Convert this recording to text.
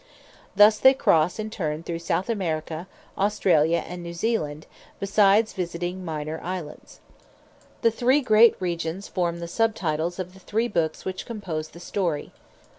Thus they cross in turn through South America, Australia and New Zealand, besides visiting minor islands. The three great regions form the sub titles of the three books which compose the story.